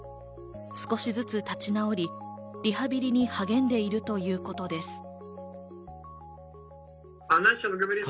少しずつ立ち直り、リハビリに励んでいるということです。